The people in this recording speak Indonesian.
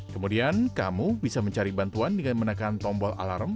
kemudian kamu bisa mencari bantuan dengan menekan tombol alarm